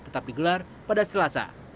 tetap digelar pada selasa